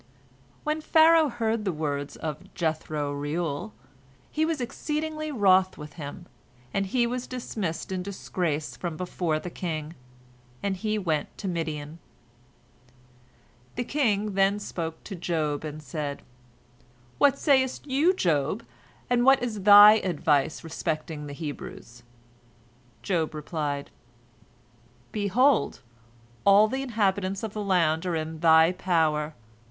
When Pharaoh heard the words of Jethro Reuel, he was exceedingly wroth with him, and he was dismissed in disgrace from before the king, and he went to Midian. The king then spoke to Job, and said: "What sayest thou, Job, and what is thy advice respecting the Hebrews?" Job replied: "Behold, all the inhabitants of the land are in thy power.